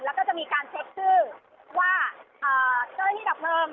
แล้วก็จะมีการเช็คชื่อว่าเจ้าหน้าที่ดับเพลิง